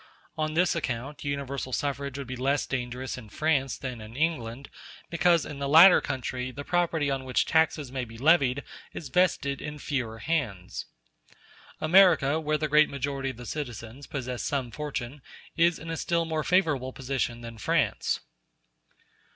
On this account universal suffrage would be less dangerous in France than in England, because in the latter country the property on which taxes may be levied is vested in fewer hands. America, where the great majority of the citizens possess some fortune, is in a still more favorable position than France.